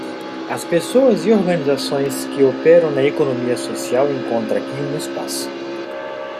As pessoas e organizações que operam na economia social encontram aqui um espaço.